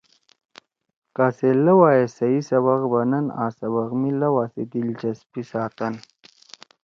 کہ سے لؤا ئے صحیح سبق بنَن آں سبق می لؤا سی دلچسپی ساتن۔